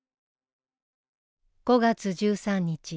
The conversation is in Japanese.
５月１３日。